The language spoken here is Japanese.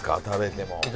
食べても。